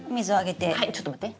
ちょっと待って。